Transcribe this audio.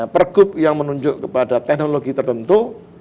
pergub yang menunjuk kepada teknologi tertentu